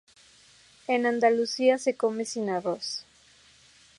En Andalucía se come sin arroz.